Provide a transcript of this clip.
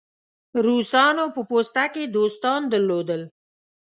روسانو په پوسته کې دوستان درلودل.